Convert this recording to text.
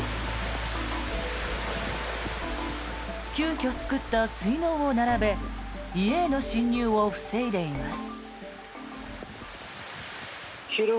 急きょ作った水のうを並べ家への浸入を防いでいます。